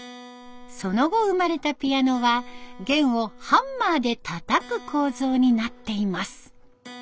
その後生まれたピアノは弦をハンマーでたたく構造になっています。